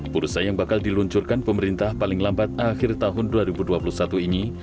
bursa yang bakal diluncurkan pemerintah paling lambat akhir tahun dua ribu dua puluh satu ini